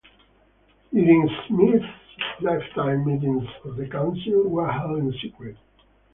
During Smith's lifetime, meetings of the Council were held in secret.